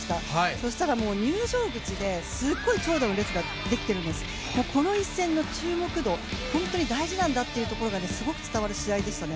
そうしたら、入場口ですごい長蛇の列ができてるんです、この１戦の注目度、大事なんだというところがすごく伝わる試合でしたね。